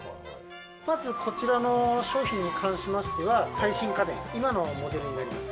まずこちらの商品に関しましては、今のモデルになります。